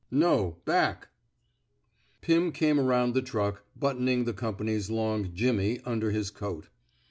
" ^*No; back." Pim came around the truck, buttoning the company's long jimmy " under his coat.